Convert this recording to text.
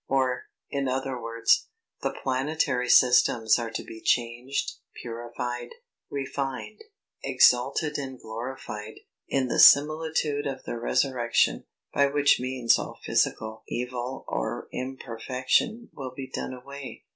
Or, in other words, the planetary systems are to be changed, purified, refined, exalted and glorified, in the similitude of the resurrection, by which means all physical evil or imperfection will be done away.